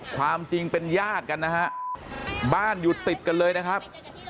ความจริงเป็นญาติกันนะฮะบ้านอยู่ติดกันเลยนะครับ